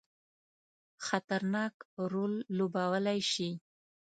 خطرناک رول لوبولای شي.